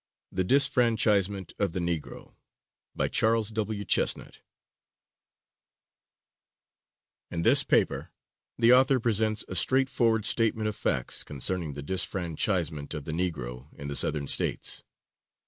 The Disfranchisement of the Negro By CHARLES W. CHESNUTT In this paper the author presents a straightforward statement of facts concerning the disfranchisement of the Negro in the Southern States.